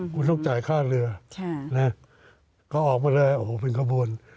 กูต้องจ่ายค่าเรือนะฮะก็ออกมาเลยโอ้โฮเป็นกระบวน